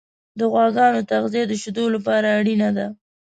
د غواګانو تغذیه د شیدو لپاره اړینه ده.